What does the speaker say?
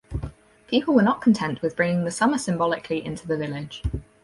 People were not content with bringing the summer symbolically into the village.